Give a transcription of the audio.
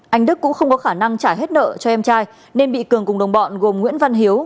anh đức cũng không có khả năng trả hết nợ cho em trai nên bị cường cùng đồng bọn gồm nguyễn văn hiếu